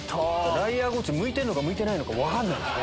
ライアーゴチ向いてるのか向いてないのか分かんないです。